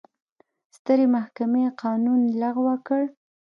سترې محکمې قانون لغوه کړ.